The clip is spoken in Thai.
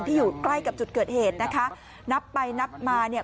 อยู่ใกล้กับจุดเกิดเหตุนะคะนับไปนับมาเนี่ย